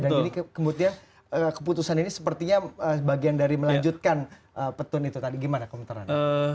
dan ini kemudian keputusan ini sepertinya bagian dari melanjutkan petun itu tadi gimana komentarnya